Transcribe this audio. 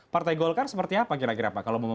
partai golkar seperti apa kira kira pak kalau mau